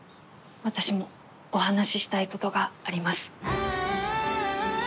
私もお話ししたいことがあります。